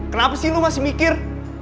kenapa sih lo masih mikir